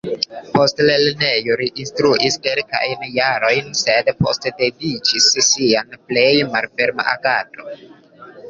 Post lernejo, li instruis kelkajn jarojn, sed poste dediĉis sin al plej malferma agado.